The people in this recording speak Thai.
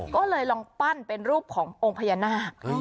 ก็เลยลองปั้นเป็นรูปขององค์พญานาค